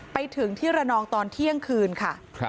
ไปถึงที่ระนองตอนเที่ยงคืนค่ะ